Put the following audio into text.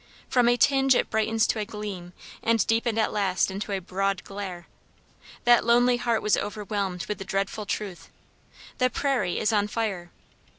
From a tinge it brightens to a gleam, and deepened at last into a broad glare. That lonely heart was overwhelmed with the dreadful truth. The prairie is on fire!